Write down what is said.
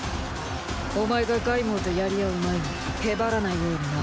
お前が凱孟と戦り合う前にへばらないようにな。